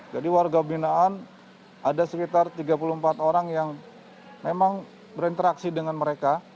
jadi warga pembinaan ada sekitar tiga puluh empat orang yang memang berinteraksi dengan mereka